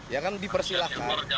ya kan dipersilahkan